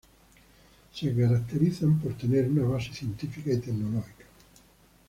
Se caracterizan por tener una base Científica y Tecnológica.